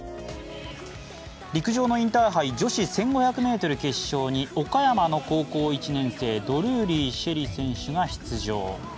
陸上のインターハイ女子１５００ｍの決勝に岡山の高校１年生ドルーリー朱瑛里選手が出場。